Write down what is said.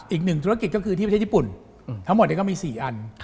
อีกหนึ่งธุรกิจก็คือที่ประเทศญี่ปุ่นทั้งหมดก็มี๔อัน